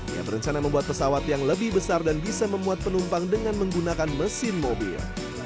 ia berencana membuat pesawat yang lebih besar dan bisa memuat penumpang dengan menggunakan mesin mobil